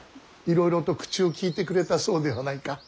いろいろと口を利いてくれたそうではないか。